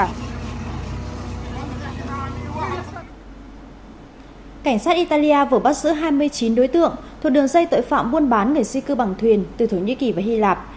cảnh sát italia vừa bắt giữ hai mươi chín đối tượng thuộc đường dây tội phạm buôn bán người di cư bằng thuyền từ thổ nhĩ kỳ và hy lạp